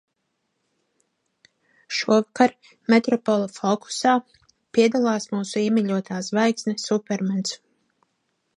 "Šovakar "Metropole fokusā" piedalās mūsu iemīļotā zvaigzne, Supermens!"